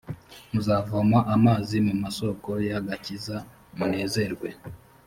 muzavoma amazi mu masoko y’agakiza munezerewe